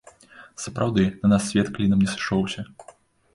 Сапраўды, на нас свет клінам не сышоўся.